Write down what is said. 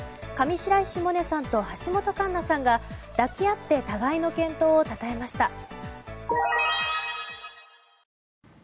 上白石萌音さんと橋本環奈さんが抱き合って互いの健闘を称えました。